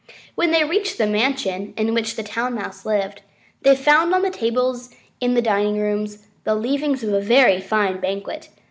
When they reached the mansion in which the Town Mouse lived, they found on the table in the dining room the leavings of a very fine banquet.